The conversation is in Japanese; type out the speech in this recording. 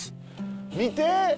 見て！